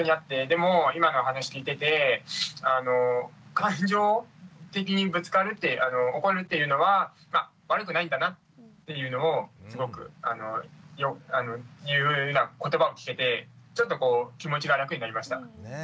でも今のお話聞いてて感情的にぶつかる怒るっていうのは悪くないんだなっていうのをすごくいうような言葉を聞けてちょっとこう気持ちが楽になりました。